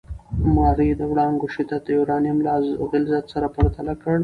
ماري د وړانګو شدت د یورانیم له غلظت سره پرتله کړ.